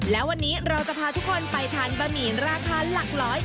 และวันนี้เราจะพาทุกคนไปทานบะหมี่ราคาหลักร้อย